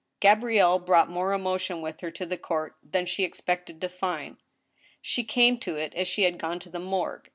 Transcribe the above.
Gabrielle brought more emotion with her to the court than she expected to find. She came to it as she had gone to the morgue.